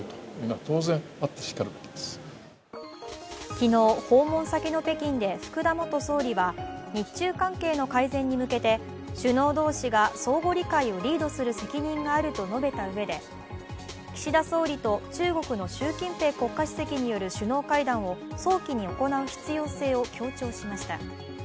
昨日、訪問先の北京で福田元総理は日中関係の改善に向けて首脳同士が相互理解をリードする責任があると述べたうえで岸田総理と中国の習近平国家主席による首脳会談を早期に行う必要性を強調しました。